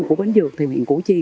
của bến dược thì huyện củ chi